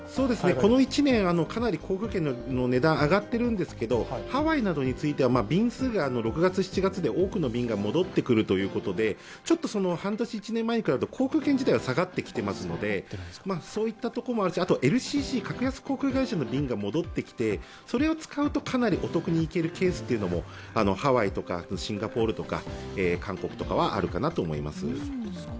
この１年、かなり航空券の値段上がっているんですけれどもハワイなどについては便数が６月、７月で多くの便が戻ってくるということで、半年、１年前に比べると航空券自体は下がってきているのでそういったこともあるし、あとＬＣＣ＝格安航空会社の便が戻ってきてそれを使うとかなりお得に行けるケースとかハワイとかシンガポールとか韓国とかはあると思います。